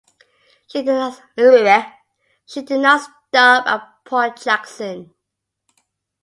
She did not stop at Port Jackson.